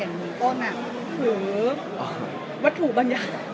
เหมือนต้นหรือวัตถุบางอย่าง